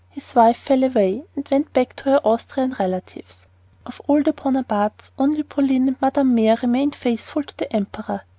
His wife fell away and went back to her Austrian relatives. Of all the Bonapartes only Pauline and Mme. Mere remained faithful to the emperor.